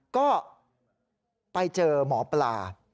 ก็ไปเจอหมอปลา